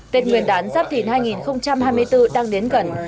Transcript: tết nguyên đán giáp thìn hai nghìn hai mươi bốn đang đến gần